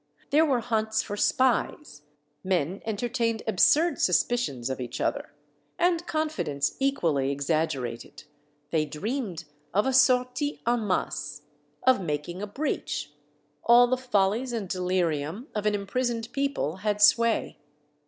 There were hunts for spies, men entertained absurd suspicions of each other, and confidence equally exaggerated ; they dreamed of a sortie en masse, of making a breach ; all the follies and delirium of an imprisoned people had sway.